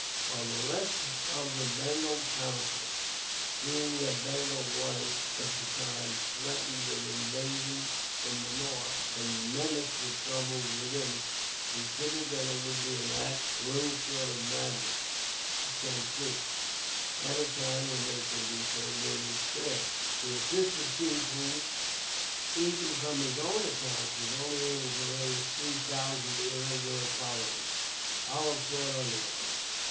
While the rest of the Bengal council, seeing that Bengal was, at the time, threatened with invasion from the north, and menaced with troubles within, considered that it would be an act little short of madness to send troops, at a time when they could be so little spared, to assist a chief, who, even from his own accounts, was only able to raise three thousand irregular followers, Clive thought otherwise.